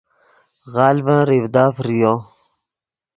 غلڤن ریڤدا فریو